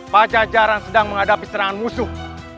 pajajaran sedang menghadapi serangan musuh